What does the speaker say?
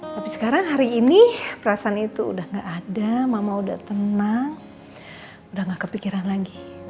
tapi sekarang hari ini perasaan itu udah gak ada mama udah tenang udah gak kepikiran lagi